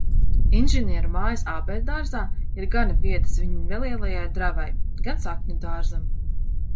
Inženieru mājas ābeļdārzā ir gana vietas viņu nelielajai dravai, gan sakņu dārzam.